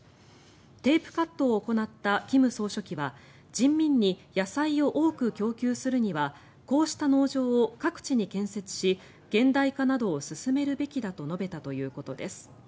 テープカットを行った金総書記は人民に野菜を多く供給するにはこうした農場を各地に建設し現代化などを進めるべきだと述べたということです。